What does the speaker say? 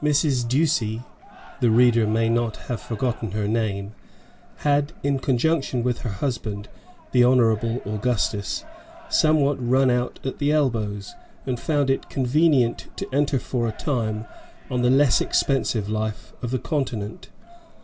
Mrs. Ducie the reader may not have forgotten her name had, in conjunction with her husband, the honorable Augustus, somewhat run out at the elbows, and found it convenient to enter for a time on the less expensive life of the Continent.